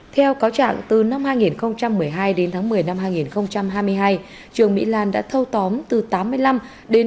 theo cáo trạng từ năm hai nghìn một mươi hai đến tháng một mươi năm hai nghìn hai mươi hai trương mỹ lan đã thâu tóm từ tám mươi năm đến chín mươi một năm